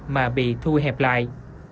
mà bị thu hẹp lại